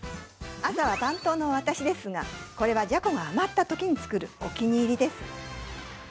朝はパン党の私ですがこれはじゃこが余ったときにつくるお気に入りです。